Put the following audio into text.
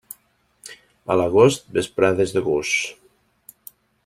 A l'agost, vesprades de gos.